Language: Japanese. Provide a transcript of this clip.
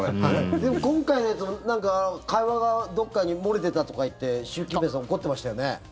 でも今回でいうと会話がどこかに漏れてたとかって習近平さん、怒ってましたよね。